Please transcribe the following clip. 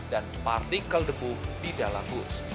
dan partikel debu di dalam bus